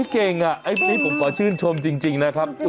เก่งอะผมตอบชื่นชมจริงนะครับ